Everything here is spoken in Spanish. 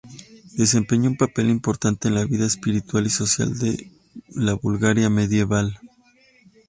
Desempeñó un papel importante en la vida espiritual y social de la Bulgaria medieval.